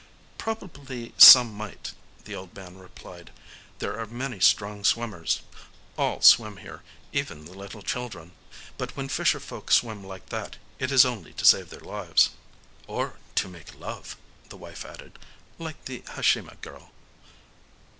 "Probably some might," the old man replied. "There are many strong swimmers. All swim here,—even the little children. But when fisher folk swim like that, it is only to save their lives." "Or to make love," the wife added,—"like the Hashima girl."